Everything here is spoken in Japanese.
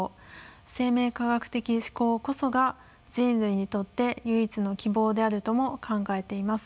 生命科学的思考こそが人類にとって唯一の希望であるとも考えています。